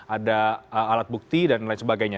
ada alat bukti dan lain sebagainya